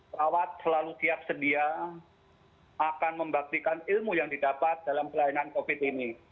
perawat selalu siap sedia akan membaktikan ilmu yang didapat dalam pelayanan covid ini